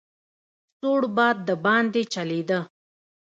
سوړ باد دباندې چلېده.